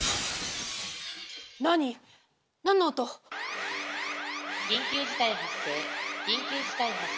何の音？緊急事態発生緊急事態発生。